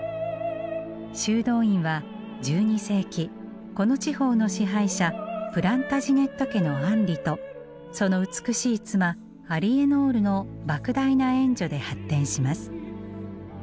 修道院は１２世紀この地方の支配者プランタジネット家のアンリとその美しい妻アリエノールのばく大な援助で発展します。